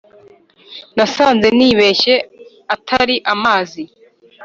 Nasanze nibeshye Atari amazi